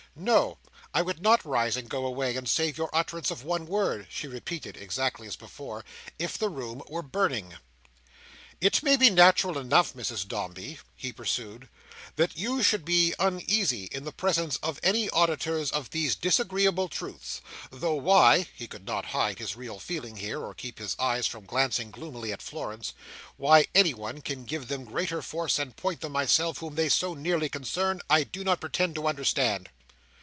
"No! I would not rise, and go away, and save you the utterance of one word," she repeated, exactly as before, "if the room were burning." "It may be natural enough, Mrs Dombey," he pursued, "that you should be uneasy in the presence of any auditors of these disagreeable truths; though why"—he could not hide his real feeling here, or keep his eyes from glancing gloomily at Florence—"why anyone can give them greater force and point than myself, whom they so nearly concern, I do not pretend to understand.